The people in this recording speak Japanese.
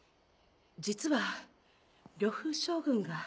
実は呂布将軍が。